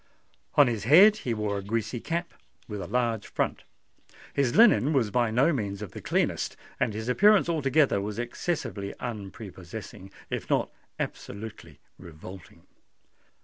On his head he wore a greasy cap, with a large front: his linen was by no means of the cleanest; and his appearance altogether was excessively unprepossessing—if not absolutely revolting.